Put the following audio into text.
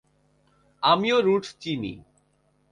আমিও রুট চিনি।